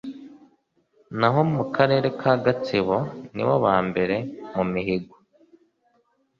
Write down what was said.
naho mu Karere ka Gatsibo nibo ba mbere mu mihigo